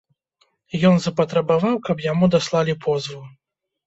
Ён запатрабаваў, каб яму даслалі позву.